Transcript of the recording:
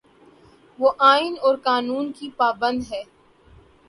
وہ آئین اور قانون کی پابند ہے۔